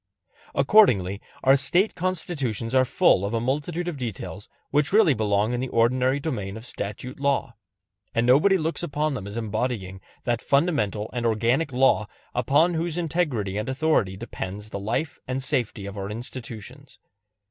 Accordingly our State Constitutions are full of a multitude of details which really belong in the ordinary domain of statute law; and nobody looks upon them as embodying that fundamental and organic law upon whose integrity and authority depends the life and safety of our institutions.